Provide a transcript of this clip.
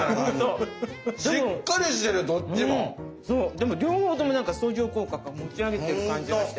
でも両方ともなんか相乗効果か持ち上げてる感じがして。